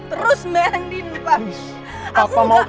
terus merendahin pak